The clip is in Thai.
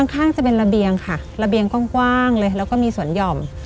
ข้างจะเป็นระเบียงค่ะระเบียงกว้างเลยแล้วก็มีสวนหย่อม